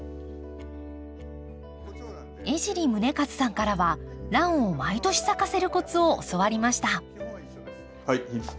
江尻宗一さんからはランを毎年咲かせるコツを教わりましたはい。